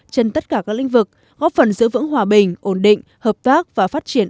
trên tất cả các lĩnh vực góp phần giữ vững hòa bình ổn định hợp tác và phát triển